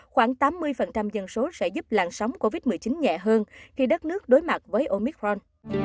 khoảng tám mươi dân số sẽ giúp làn sóng covid một mươi chín nhẹ hơn khi đất nước đối mặt với omicron